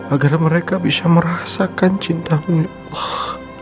agar mereka bisa merasakan cintamu ya allah